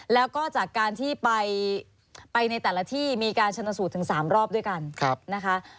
แล้วก็จากการที่ไปในแต่ละที่มีการชนสูตรถึง๓รอบด้วยกันนะคะ